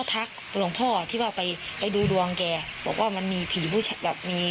แต่พี่สาวไม่ได้ว่ารูกตัวเอง